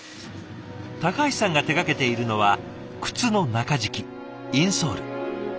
橋さんが手がけているのは靴の中敷きインソール。